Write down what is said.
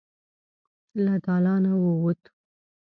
له دالانه ووت.